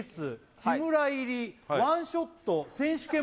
日村入りワンショット選手権